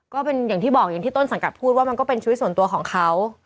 ก็เป็นอย่างที่บอกอย่างที่ต้นสังกัดพูดว่ามันก็เป็นชีวิตส่วนตัวของเขา